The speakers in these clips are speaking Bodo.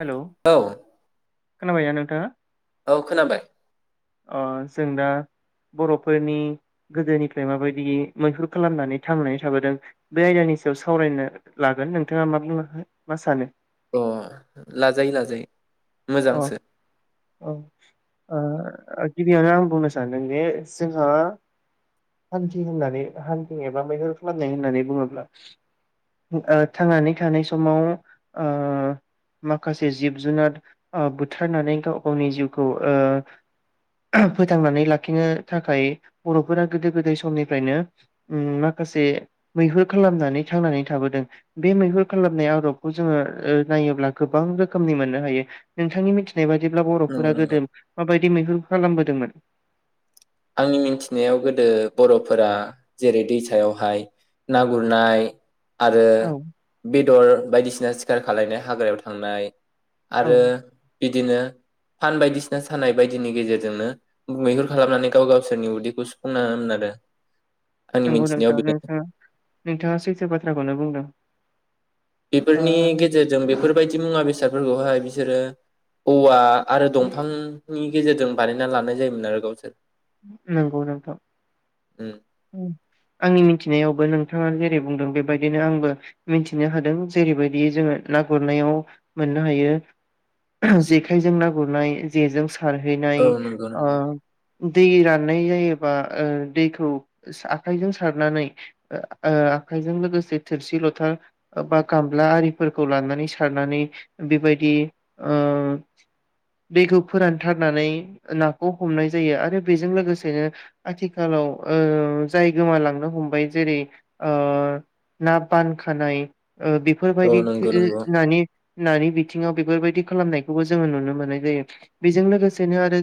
हेलौ। औ खोनाबायना नोंथाङा। औ खोनाबाय। ओ जों दा बर'फोरनि गोदोनिफ्राय माबायदि मैहुर खालामनानै थांनानै थाबोदों बे आयदानि सायाव सावरायनो लागोन नोंथाङा मा बुं मा सानो। अ लाजायो लाजायो। अ मोजांसो। [unintelligible] गिबियावनो आं बुंनो सानदोंदि जोंहा हान्थि होननानै हान्थि एबा मैहुर खालामनाय होननानै बुङोब्ला ओ थांनानै थानाय समाव ओ माखासे जिब जुनार ओ बुथारनानै गाव गावनि जिउखौ ओ फोथांनानै लाखिनो थाखाय बर'फोरा गोदो गोदाय समनिफ्रायनो उम माखासे मैहुर खालामनानै थांनानै थाबोदों बे मैहुर खालामनाय आदबखौ जोङो नायोब्ला गोबां रोखोमनि मोननो हायो नोंथांनि मिथिनाय बा दिब्ला नंगौ बर'फोरा नंगौ गोदो माबायदि दि मैहुर खालामबोदोंमोन। आंनि मिथिनायाव गोदो बर'फोरा जेरै दैसायावहाय ना गुरनाय। आरो औ बे बेदर बायदिसिना सिखार खालायनो हाग्रायाव थांनाय। औ आरो बिदिनो फान बायदिसिना सानाय बायदिनि गेजेरजोंनो मैहुर खालामनानै। गाव गावसोरनि उदैखौ सुफुं [unintelligible] नंगौ नोंथाङा नोंथाङा नोंथाङा सैथो बा थ्राखौनो बुंदों। ओ बेफोरनि गेजेरजों बेफोर बेबायदि मुवा बेसादफोरखौहाय बिसोरो औवा आरो दंफांनि गेजेरजों बानायना लानाय जायोमोन आरो गावसोर। नंगौ नोंथां उम, आंनि मिथिनायाव। नोंथाङा जेरै बुंदों बेबायदिनो आंबो मिथिनो हादों जेरै बायदि जोङो ना गुरनायाव मोननो हायो जेखायजों ना गुरनाय जेजों सार हैनाय औ नंगौ ओ नंगौ दै राननाय जायोबा ओ दैखौ आखाइजों सारनानै आखाइजों लोगोसे थोरसि लथा बा गामला आरिफोरखौ लानानै सारनानै बेबायदि ओ दैखौ फोरानथारनानै नाखौ हमनाय जायो आरो बेजों लोगोसेनो आथिखालाव ओ जाय गोमालांनो हमबाय जेरै ओ ना बानखानाय। ओ औ बेफोरबायदि नंगौ ओ नंगौ नानि। नानि बिथिङाव बेफोरबायदि खालामनायखौबो जोङो नुनो मोननाय जायो बेजों लोगोसेनो आरो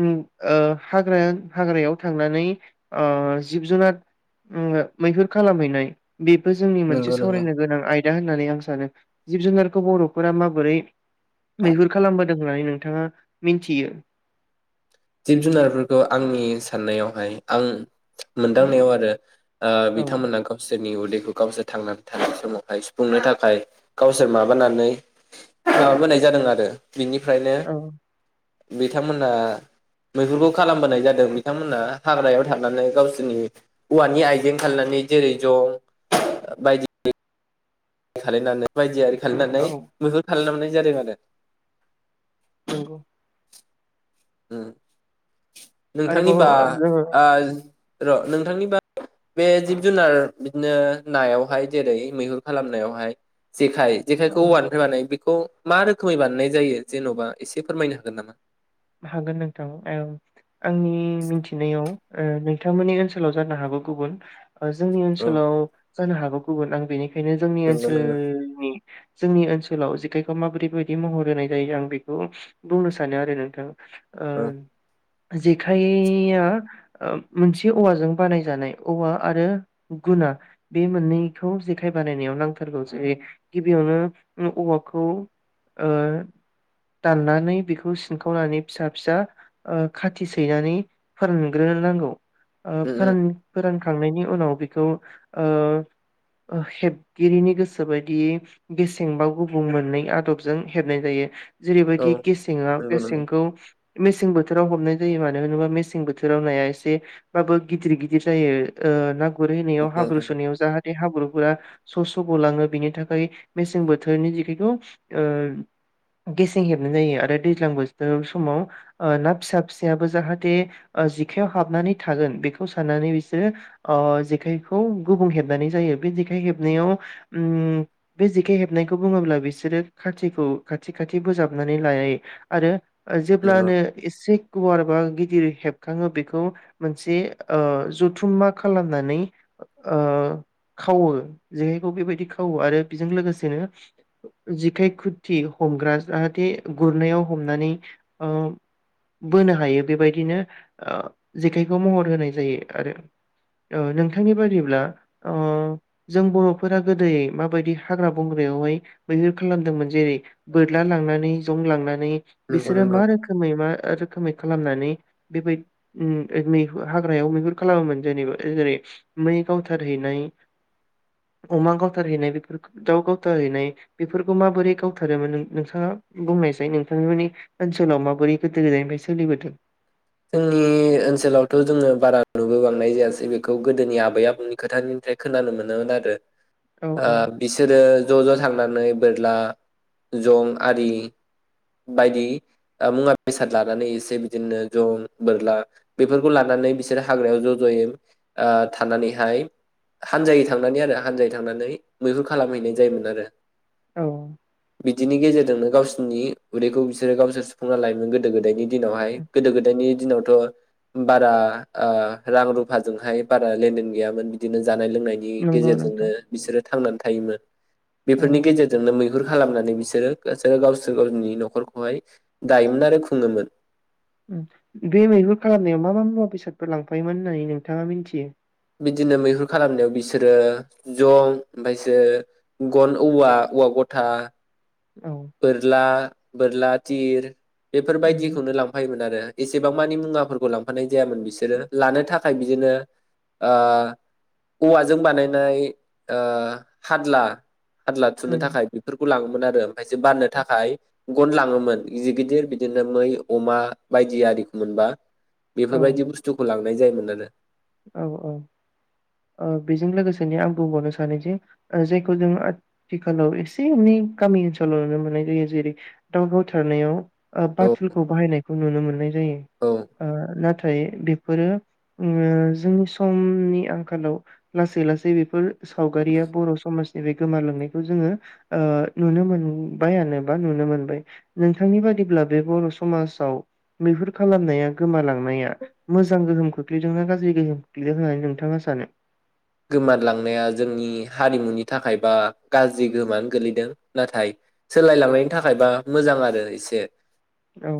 उम ओ हाग्रा हाग्रायाव थांनानै ओ जिब जुनार मैहुर खालामहैनाय। बेबो जोंनि मोनसे नंगौ नंगौ सावरायनो गोनां आयदा होननानै आं सानो। जिब जुनारखौ बर'फोरा माबोरै मैहुर खालामबोदों होननानै नोंथाङा मिन्थियो जिब जुनारफोरखौ आंनि साननायावहाय आं मोनदांनायाव आरो औ बिथांमोना गावसोरनि [unintelligible] गावसोर थांनानै थानाय समावहाय सुफुंनो थाखाय गावसोर माबानानै माबाबोनाय जादों आरो बिनिफ्रायनो औ बिथांमोना मैहुरखौ खालामबोनाय जादों बिथांमोनहा हाग्रायाव थानानै गावसोरनि औवानि आइजें खालामनानै जेरै जं बायदि खालायनानै बायदि आरोखि औ खालामनानै मैहुर खालामनानै जादों आरो नंगौ ओम आरोबाव नोंथांनिबा जोङो ओ र' नोंथांनिबा बे जिब जुनार बिदिनो नायावहाय जेरै मैहुर खालामनायावहाय जेखाय औ जेखायखौ औवानिफ्राय बानायो बेखौ मा रोखोमै बानायनाय जायो जेन'बा एसे फोरमायनो हागोन नामा हागोन नोंथां ओं आंनि मिथिनायाव ओ नोंथांमोननि ओनसोलाव जानो हागौ गुबुन जोंनि औ ओनसोलाव जानो हागौ गुबुन आं बेनि बेनो जोंनि ओनसोलनि जोंनि ओनसोलाव जेखायखौ माबोरै बेबादि महर होनाय जायो आं बेखौ बुंनो सानो आरो नों ओ जेखाइया मोनसे औवाजों बानायजानाय औवा आरो गुना बे मोननैखौ जेखाइ बानायनायाव नांथारगौ जेरै गिबियावनो औवाखौ ओ दाननानै बेखौ सिनखावनानै फिसा फिसा खाथि सैनानै फोरानग्रो नांगौ ओ फोरान फोरानखांनायनि उनाव बे खौ ओ हेबगिरिनि गोसो बायदियै गेसेंबा गुबुं मोननै आदबजों हेबनाय जायो जेरैबायदि गेसेङा नंगौ नंगौ गेसेंखौ मेसें बो बोथोराव हमनाय जायो मानो होनोबा मेसें बोथोराव नाया एसेबाबो गिदिर गिदिर जायो ओ ना गुर औ हैनायाव उम उम औ नंगौ हाब्रु नोंथां सुनायाव जाहाथे हाब्रु आ स स गलांङो बिनि थाखाय मेसें बोथोरनि जेखायखौ गेसें हेबनाय जायो आरो दै ज्लां बोथोर समाव ओ ना फिसा फिसायाबो जाहाथे जेखाइआव हाबनानै थागोन बेखौ साननानै बिसोरो ओ जेखाइखौ गुबुं हेबनानै जायो बे जेखाइ हेबनायाव ओ बे जेखाइ हेबनायखौ बुङोब्ला बिसोरो खाथिखौ खाथि खाथि बोजाबनानै लायो आरो नंगौ जेब्लानो एसे गुवार बा गिदिर हेबखाङो बेखौ मोनसे ओ जथुम्मा खालामनानै ओ खावो जेखायखौ बेबायदि खावो आरो बेजों लोगोसेनो जिखाइ खुथि हमग्रा जाहाथे गुरनायाव हमनानै ओ बोनो हायो बेबायदिनो ओ जेखायखौ महर होनाय जायो आरो ओ नोंथांनि बायदिब्ला ओ जों बर'फोरा गोदोयै माबायदि हाग्रा बंग्रायावहाय मैहुर खालामदोंमोन जेरै बोरला लांनानै जं लांनानै नंगौ बिसोरो नंगौ मा रोखोमै मा रोखोमै खालामनानै बेबाय उम ओ हाग्रायाव मैहुर खालामोमोन जेनेबा जेरै मै गावथारहैनाय अमा गावथारहैनाय बेफोरखौ दाउ गावथारहैनाय बेफोरखौ माबोरै गावथारोमोन नों नोंथाङा बुंनायसै नों [unintelligible] ओनसोलाव माबोरै गोदो गोदायनिफ्राय सोलिबोदों? जोंनि ओनसोलावथ' जोङो बारा नुबो बांनाय जायासै बेखौ गोदोनि आबै आबौनि खोथानिफ्राय खोनानो मोनोमोन आरो। औ ओ औ बिसोरो ज' ज' थांनानै बोरला जं आरि बायदि ओ मुवा बेसाद लानानै एसे बिदिनो जं बोरला बेफोरखौ लानानै बिसोरो हाग्रायाव ज' ज'यै ओ थानानैहाय हानजायै थांनानै आरो हानजायै थांनानै मैहुर खालामहैनाय जायोमोन आरो। औ। बिदिनि गेजेरजोंनो गावसोरनि उदैखौ बिसोरो गावसोर सुफुंना लायोमोन गोदो गोदायनि दिनावहाय नि दिनावथ' बारा ओ रां रुफाजोंहाय बारा लेनदेन गैयामोन बिदिनो जानाय लोंनायनि नंगौ गेजेरजोंनो नोंथां बिसोरो थांनानै थायोमोन। औ बेफोरनि गेजेरजोंनो मैहु हुर खालामनानै बिसोरो गोसो गावसोर गावनि न'खरखौहाय दायोमोन आरो खुङोमोन। उम बे मैहुर खालामनायाव मा मा मुवा बेसादफोर लांफायोमोन होननानै नोंथाङा मिथियो? बिदिनो मैहुर खालामनायाव बिसोरो जं ओमफाय सोर ग'न औवा उवा ग'था औ बोरला बोरला तिर उम बेफोरबायदिखौनो लांफायोमोन आरो। एसेबां मानि मुवाफोरखौ लांफानाय जायामोन बिसोरो लानो थाखाय बिदिनो ओ औवाजों बानायनाय ओ हादला हादला थुनो उम थाखाय बेफोरखौ लाङो [unintelligible] खायसो बाननो थाखाय ग'न लाङोमोन जिगिदिर बिदिनो मै अमा बायदि आरिख मोनबा औ बेफोरबायदि बुस्थुखौ लां नाय जायोमोन आरो। औ औ ओ बेजों लोगोसेनो आं बुंबावनो सानोजि ओ जेखौ जों आथिखालाव एसे एनै गामि ओनसोलाव नुनो मोननाय जायो जेरै दाव गावथारनायाव औ बाथुलखौ बाहायनायखौ नुनो मोनो। जायो औ ओ नाथा थायो बेफोरो ओम जोंनि समनि आंखालाव लासै लासै बेफोर सावगारिया बर' समाज बे गोमालांनायखौ जोङो ओ नुनो मोनबायानो बा नुनो मोनबाय नोंथांनि बादिब्ला बे बर' समाजाव मैहुर खालामनाया गोमालांनाया मोजां गोहोम खोख्लैदोंना गाज्रि गोहोम [unintelligible] होननानै नोंथाङा सानो? गोमादलांनाया जोंनि हारिमुनि थाखायबा गाज्रि गोहोमानो गोलैदों नाथाय सोलायलांनायनि थाखायबा मोजां आरो एसे औ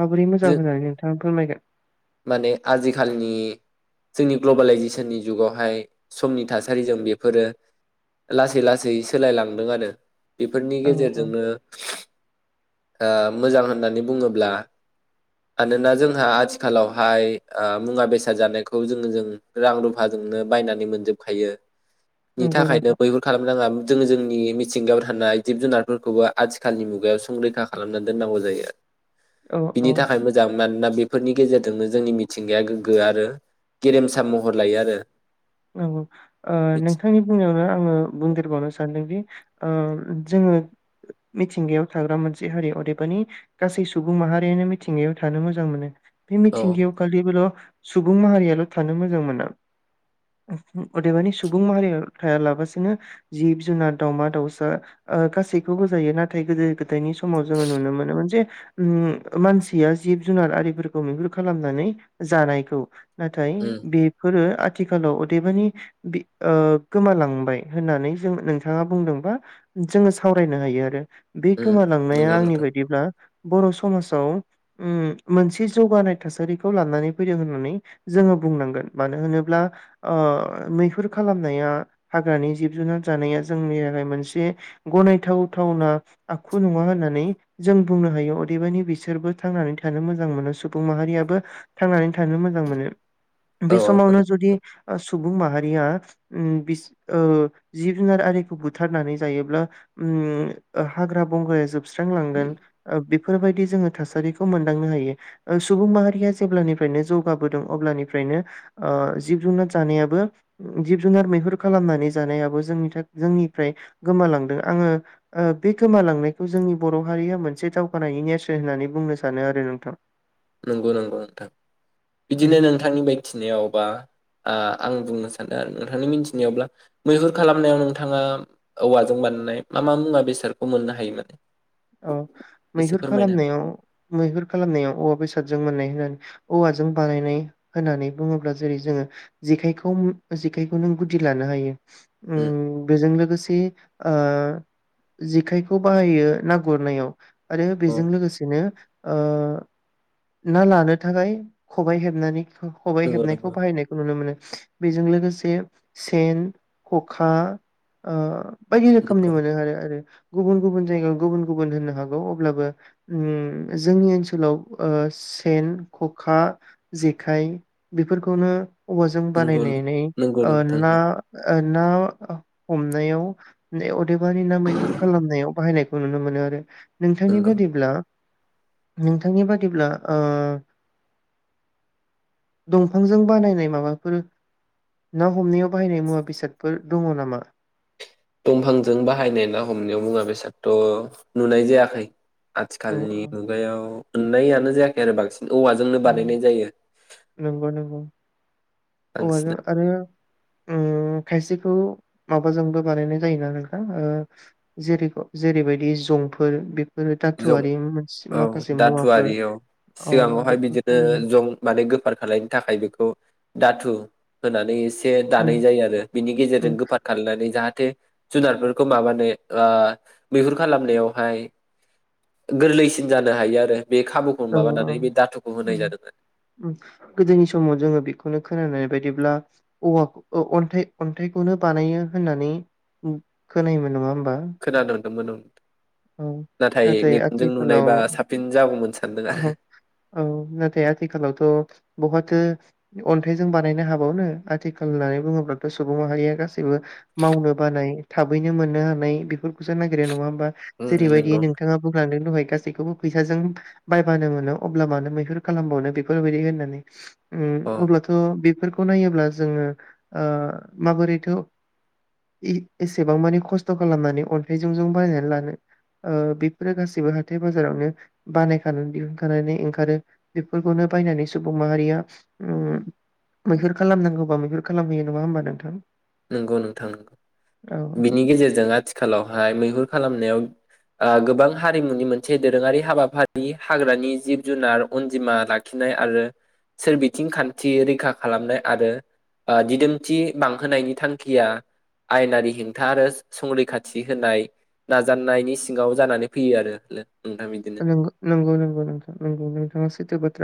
माबोरै जों मोजां होननानै नोंथाङा फोरमायगोन। माने आजिखालिनि जोंनि ग्लबेलाायजेसननि जुगावहाय समनि थासारिजों बेफोरो लासै लासै सोलायलांदों आरो बेफोरनि औ औ गेजेरजोंनो ओ मोजां होननानै बुङोब्ला मानोना जोंहा आथिख खालावहाय ओ मुवा बेसाद जानायखौ जोङो जों रां रुफाजोंनो बायनानै मोनजोबखायो। नि नंगौ थाखायनो नोंथां बैफोर खालाम नाङा जोंङो जोंनि मिथिंगायाव थानाय जिब जुनारफोरखौबो आथिखालनि मुगायाव संरैखा खालामनानै दोननांगौ जायो। औ बिनि औ थाखाय मोजां मान ना बेफोरनि गेजेरजोंनो जोंनि मिथिंगाया गोग्गो आरो गेरेमसा महर लायो आरो औ ओ नोंथांनि बुंनायावनो आङो बुंदेरबावनो सानदोंदि ओ जोङो मिथिंगायाव थाग्रा मोनसे हारि अदेबानि गासै सुबुं माहारियानो मिथिंगायाव थानो मोजां मोनो। बेै औ मिथिंगायावखालि बेल' सुबुं माहारियाल' थानो मोजां मोना उहु अदेबानि सुबुं माहारिया थायालाबसिनो जिब जुनार दाउमा दाउसा ओ गासैखौबो जायो नाथाय गोदो गोदायनि समाव जोङो नुनो मोनोमोन जे उम मानसिया जिब जुनार आरिफोरखौ मैहुर खालामनानै जानायखौ। नाथाय उम बेफोरो आथ थिखालाव अदेबानि बि ओ गोमालांबाय होननानै जों नोंथाङा बुंदोंबा जोङो सावरायनो हायो आरो बे उम गोमालांनाया नंगौ आंनि नोंथां बायदिब्ला बर' समाजाव उम मोनसे जौगानाय थासारिखौ लानानै फैदों होननानै जोङो बुंनांगोन मानो होनोब्ला ओ मैहुर खालामनाया हाग्रानि जिब जुनार जानाया जोंनि थाखाय मोनसे गनायथावथावना आखु नङा होननानै जों बुंनो हायो अदेबानि बिसोरबो थांनानै थानो मोजां मोनो सुबुं माहारियाबो थांनानै थानो मोजां मोनो औ बे औ समावनो जुदि सुबुं माहारिया उम बिस जिब जुनार आरिखौ बुथारनानै जायोब्ला उ हाग्रा बंग्राया जोब स्रां लांगोन ओ बि बेफोरबायदि जोङो थासारिखौ मोनदांनो हायो सुबुं माहारिया जेब्लानिफ्रायनो जौगाबोदों अब्लानिफ्रायनो ओ जिब जुनार जानायाबो जिब जुनार मैहुर खालामनानै जानायाबो जोंनि था जोंनिफ्राय गोमालांदों आङो बे गोमालांनायखौ जोंनि बर' हारिया मोनसे दावगानायनि नेेरसोन होननानै बुंनो सानो आरो नोंथां। नंगौ नंगौ नोंथां बिदिनो उम नोंथांनि मिथिनायाव बा ओ आं बुंनो सानदों आरो नोंथांनि मिथिनायावब्ला मैहुर खालामनायाव नोंथाङा औवाजों बानायनाय मा मा मुवा बेसादखौ मोननो हायो माने औ एसे मैहुर फोरमायनो हागोन खालामनायाव मैहुर खालामनायाव औ बे सादजों माने औवाजों बानायनाय होननानै बुङोब्ला जेरै जोङो जेखायखौ जेखायखौ नों गुदि लानो हायो। उम बेजों लोगोसे बे ओ जेखायखौ बायो गुरनाययाव आरो औ बेजों लोगोसेनो ओ खबाइ नंगौ हेबनायखौ नंगौ बाहायनायखौ नुनो मोनो बेजों लोगोसे सेन खखा ओ बायदि नंगौ। रोखोमनि मोनो आरो आरो गुबुन गुबुन जायगायाव गुबुन गुबुन होननो हागौ अब्लाबो उ जोंनि ओनसोलाव सेन खखा जेखाइ बेफोरखौनो औवाजों नंगौ बानायनानै नंगौ ओ नोंथां ना ना हमनायाव अदेबानि ना मैहुर खालामनायाव बाहायनायखौ नुनो मोनो। बेनो आरो। नोंथांनि नंगौ बादिब्ला नोंथांनि बादिब्ला दंफांजों बानायनाय माबाफोर ना हमनायाव बाहायनाय मुवा बेसादफोर दङ नामा? दंफांजों बाहायनाय ना हमनायाव मुङा बेसादथ' नुनाय जायाखै औ आथिखालनि मुगायाव नुनाय आनो जायाखेर बांसिन औवाजोंनो बानायनाय जायो। औ आदा बांसिना आरो अम खायसेखौ माबाजोंबो बानायनाय जायोना नोंथा जेरै जेरैबायदि जंफोर बे जं दाथुआरि औ माखासे मुवाफोर जे उम जों माने गोफार खालामनो थाखाय बेखौ -खौ दाथु होननानै बे उम दानाय जायो आरो बिनि गेजेरजों गोफार खालामनानै जाहाथे -थे जुनारफोरखौ माबानो मैहुर खालामनायावहाय गोरलैसिन जानो हायो आरो। बे खाबुखौ औ-औ माबानानै बे दाथुखौ होनाय जादों अम गोदोनि समाव जोङो बेखौनो खोनानानै बायदिब्ला औवा अन्थाय- अन्थाइखौनो बानायो होननानै खोनायोमोन नामा होन खोनादों। दोंमोन ओं। औ नाथाय मेगनजों आथिखालाव नुनायबा साबसिन जागौमोन सानदों आरो औ नाथाय आथिखालावथ' बहुदो अन्थाइजों बानायनो हाबावनो आथिखाल होननानै बुङोब्लाथ' सुबुं माहारिया गासैबो मावनो बानाय थाबैनो मोननो हानाय बेफोरखौसो नागिरो नङा होमबा? उम जेरैबायदि नंगौ नोंथाङा बुंलांदों दहाय गासैबो गासैखौबो फैसाजों बायबानो मोनो अब्ला मानो मैहुर खालामबावनो बेफोरबायदि होननानै। अ अम अब्लाथ' बेफोर खौ नायोब्ला जोङो माबोरैथ' एसेबांमाने खस्थ' खालामनानै अन्थाइजों जों बायनानै लानो। अ बेफोरो गासिबो हाथाय बाजारावनो बानायखानानै दिहुनखानानै ओंखारो बेफोरखौनो बायनानै सुबुं माहारिया मैहुर खालामनांगौबा मैहुर खालामहैयो नङा होमबा नोंथां? नंगौ नोंथां औ बिनि गेजेरजों आथिखालावहाय मैहुर खालामनायाव आं गोबां हारिमुनि मोनसे दोरोङारि हाबाफारि हाग्रानि जिब- जुनार अनजिमा लाखिनाय आरो सोरबिथिं खान्थि रैखा खालामनाय आरो दिदोमथि बांहोनायनि थांखिया आयेनारि हेंथा आरो संरैखाथि होनाय नाजानायनि सिङाव जानानै फैयो आरो। नोंथां बिदिनो नंगौ -नंगौ -नंगौ नोंथां नंगौ नोंथाङा सैथो बाथ्रा